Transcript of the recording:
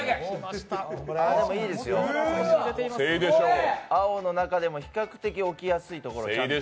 でもいいですよ、青の中でも比較的置きやすいところをちゃんと。